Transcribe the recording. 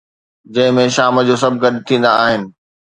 جنهن ۾ شام جو سڀ گڏ ٿيندا آهن